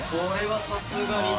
さすがに。